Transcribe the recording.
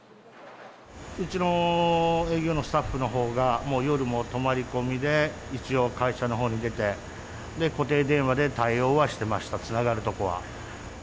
うちの営業のスタッフのほうが、もう夜も泊まり込みで、一応、会社のほうに出て、固定電話で対応はしてました、つながるとこは。